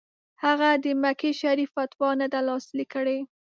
هغه د مکې شریف فتوا نه ده لاسلیک کړې.